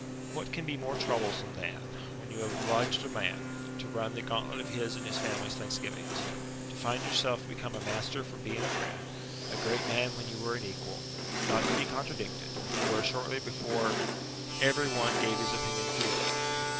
What can be more troublesome than, when you have obliged a man, to run the gauntlet of his and his family's thanksgivings, to find yourself become a master from being a friend, a great man when you were an equal; not to be contradicted, where shortly before every one gave his opinion freely?